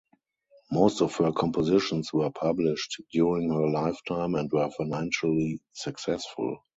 Most of her compositions were published during her lifetime and were financially successful.